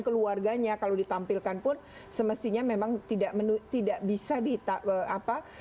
keluarganya kalau ditampilkan pun semestinya memang tidak bisa